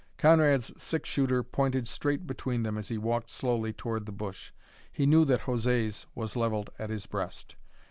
Conrad's six shooter pointed straight between them as he walked slowly toward the bush. He knew that José's was levelled at his breast.